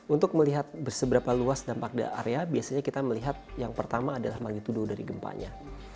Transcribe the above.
untuk melihat berseberapa luas dampak daerah biasanya kita melihat yang pertama adalah manggitudo dari gempanya